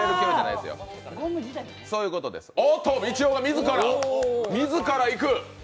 おっと、みちおが自らいく。